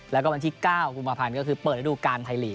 แล้วก็วันที่๙กุมภาพันธ์ก็คือเปิดระดูการไทยลีก